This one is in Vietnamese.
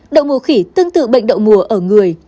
đội mùa khỉ tương tự bệnh đội mùa ở người